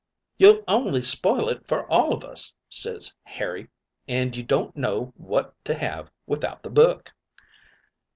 "'You'll only spoil it for all of us,' ses Harry, 'and you don't know what to have without the book.'